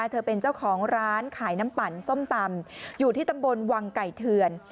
เธอเป็นเจ้าของร้านขายน้ำปั่นส้มตำอยู่ที่ตำบลวังไก่เถื่อน